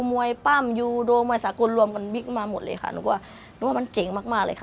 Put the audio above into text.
มวยป๊าล์มยูดูมวยศาล์กลรวม